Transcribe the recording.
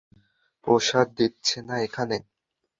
প্রসাদ দিচ্ছে না এইখানে।